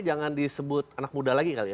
jangan disebut anak muda lagi kali ya